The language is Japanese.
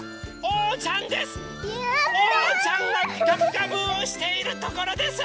おうちゃんが「ピカピカブ！」をしているところです。